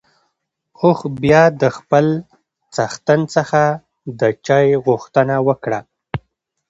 اوښ بيا د خپل څښتن څخه د چای غوښتنه وکړه.